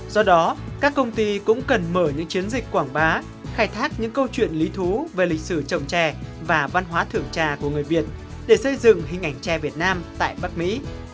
do đó các công ty cũng cần mở những chiến dịch quảng bá khai thác những câu chuyện lý thú về lịch sử trồng trè và văn hóa thưởng trà của người việt để xây dựng hình ảnh trẻ việt nam tại bắc mỹ